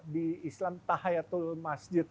di islam tahayatul masjid